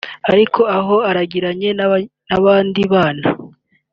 Ariko aho aragiranye n’abandi bana